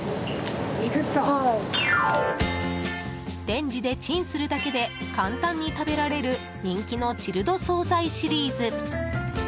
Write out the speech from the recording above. レンジでチンするだけで簡単に食べられる人気のチルド総菜シリーズ。